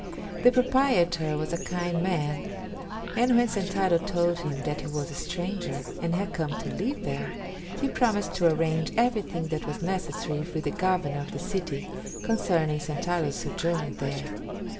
The proprietor was a kind man, and when Sentaro told him that he was a stranger and had come to live there, he promised to arrange everything that was necessary with the governor of the city concerning Sentaro's sojourn there.